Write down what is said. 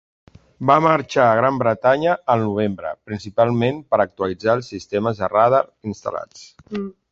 Va marxar a Gran Bretanya al novembre, principalment per actualitzar els sistemes de radar instal·lats.